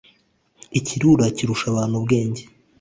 ikirura kirusha abantu ubwenge.